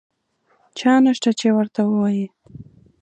چا نشته چې ورته ووایي.